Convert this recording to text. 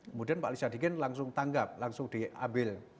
kemudian pak alisa dikin langsung tanggap langsung diambil